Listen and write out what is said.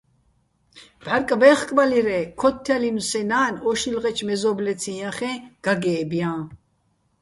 ბჺარკბე́ხბალირ-ე́, ქოთთჲალინო̆ სეჼ ნა́ნ ო შილღეჩო̆ მეზო́ბლეციჼ ჲახე́ჼ გაგე́ბ ჲაჼ.